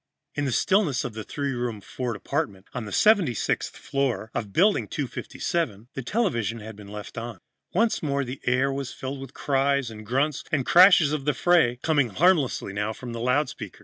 In the stillness of the three room Ford apartment on the 76th floor of Building 257, the television set had been left on. Once more the air was filled with the cries and grunts and crashes of the fray, coming harmlessly now from the loudspeaker.